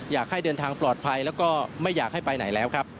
อยากให้เดินทางปลอดภัยแล้วก็ไม่อยากให้ไปไหนแล้วครับ